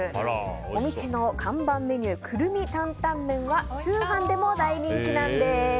お店の看板メニューくるみ担々麺は通販でも大人気なんです。